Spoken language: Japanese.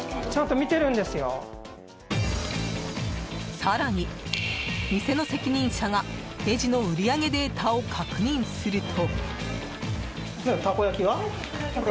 更に、店の責任者がレジの売り上げデータを確認すると。